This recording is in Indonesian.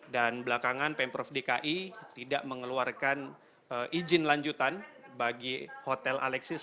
dan belakangan pemprov dki tidak mengeluarkan izin lanjutan bagi hotel alexis